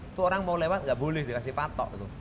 itu orang mau lewat nggak boleh dikasih patok